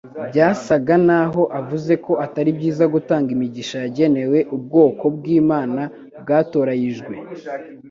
Byasaga na ho avuze ko atari byiza gutanga imigisha yagenewe ubwoko bw'Imana bwatorariyijwe,